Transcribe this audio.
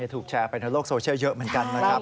ถูกแชร์ไปในโลกโซเชียลเยอะเหมือนกันนะครับ